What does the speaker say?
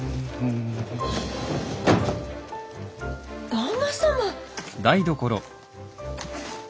旦那様！